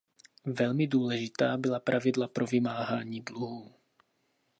Velmi důležitá byla pravidla pro vymáhání dluhů.